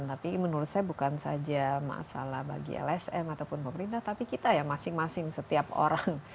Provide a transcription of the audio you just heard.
tapi menurut saya bukan saja masalah bagi lsm ataupun pemerintah tapi kita ya masing masing setiap orang